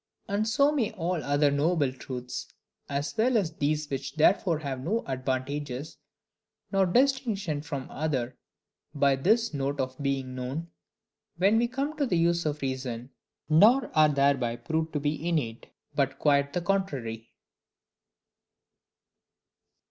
And so may all other knowable truths, as well as these which therefore have no advantage nor distinction from other by this note of being known when we come to the use of reason; nor are thereby proved to be innate, but quite the contrary.